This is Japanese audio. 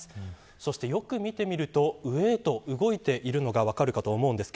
そしてよく見ると、上へと動いているのが分かるかと思います。